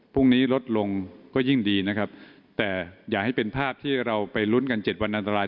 พรุ่งนี้ลดลงก็ยิ่งดีนะครับแต่อย่าให้เป็นภาพที่เราไปลุ้นกัน๗วันอันตราย